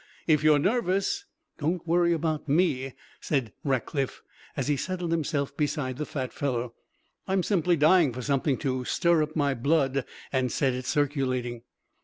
If you're nervous " "Don't worry about me," said Rackliff, as he settled himself beside the fat fellow. "I'm simply dying for something to stir up my blood and set it circulating."